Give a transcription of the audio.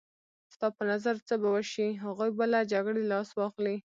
ستا په نظر څه به وشي؟ هغوی به له جګړې لاس واخلي.